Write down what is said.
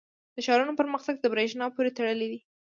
• د ښارونو پرمختګ د برېښنا پورې تړلی دی.